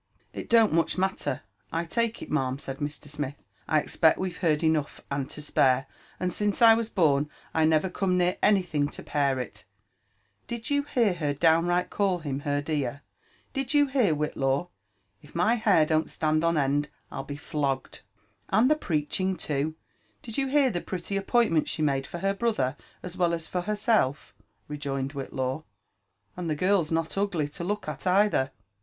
"It don't muck matter, I take it, ma'am," said Mr. Smith ;«< I expect we Ve heard enough and to spare; and since I was born» I never come near any Ihing to pair it 1 Bid you hear her downright call bun her dear ? Did you bear, Whitlaw 1 U my hair don't stand an end, ru be flogged V And the preaching too ; did you hear the pretty appoiatmeat aho made for her brother as well as tor herself?" rejoined Whitlaw. ''And the girl's not ugij to look at neither.